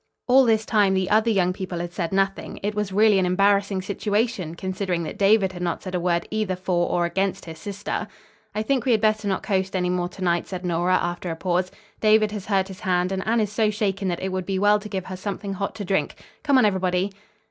All this time the other young people had said nothing. It was really an embarrassing situation, considering that David had not said a word either for or against his sister. "I think we had better not coast any more to night," said Nora, after a pause. "David has hurt his hand and Anne is so shaken that it would be well to give her something hot to drink. Come on, everybody."